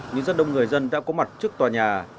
nhưng rất đông người dân đã có mặt trước tòa nhà